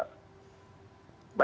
itu diantaranya mbak